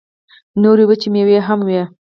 نورې وچې مېوې هم وې.